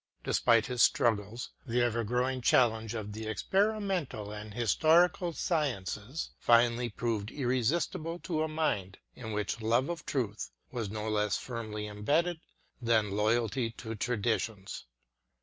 Despite his struggles, the ever growing challenge of the experimental and histor ical sciences finally proved irresistible to a mind in which love of truth was no less firmly embedded than loyalty to traditions.